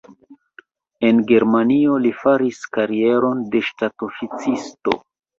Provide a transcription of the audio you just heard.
En Germanio li faris karieron de ŝtatoficisto.